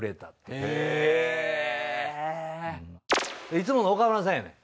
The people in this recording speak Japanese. いつもの岡村さんやねん。